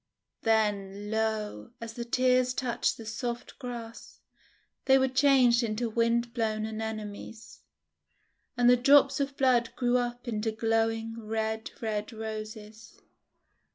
Then, lo! as the tears touched the soft grass, they were changed into wind blown Anemones! And the drops of blood grew up into glowing red, red Roses!